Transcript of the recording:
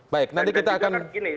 baik nanti kita akan